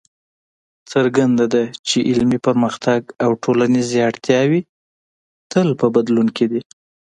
څرګنده ده چې علمي پرمختګ او ټولنیزې اړتیاوې تل په بدلون کې دي.